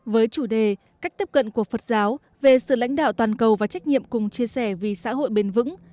với chủ đề cách tiếp cận của phật giáo về sự lãnh đạo toàn cầu và trách nhiệm cùng chia sẻ vì xã hội bền vững